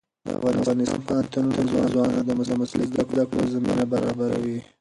د افغانستان پوهنتونونه ځوانانو ته د مسلکي زده کړو زمینه برابروي.